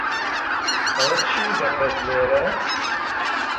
ئەوە چی دەکەیت لێرە؟